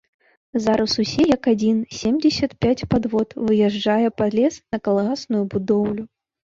Зараз усе як адзін семдзесят пяць падвод выязджае па лес на калгасную будоўлю.